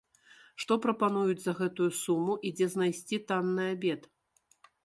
Што прапануюць за гэту суму і дзе знайсці танны абед?